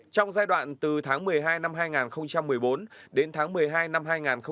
trong giai đoạn từ tháng một mươi hai năm hai nghìn một mươi bốn đến tháng một mươi hai năm hai nghìn một mươi tám